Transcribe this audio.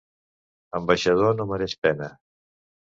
Ambaixador no mereix pena.